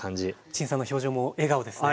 陳さんの表情も笑顔ですね。